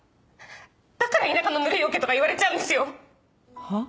だから「田舎のぬるいオケ」とか言われちゃうんですよ。は？